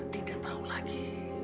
tidak tahu lagi